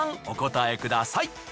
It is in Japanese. お答えください。